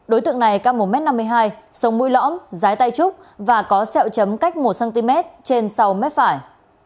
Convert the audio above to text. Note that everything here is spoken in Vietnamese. đối tượng này cao một m năm mươi hai sống mũi lõm rái tay trúc và có sẹo chấm cách một cm trên sau mép phải